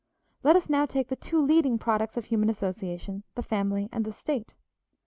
Let us now take the two leading products of human association, the Family and the State.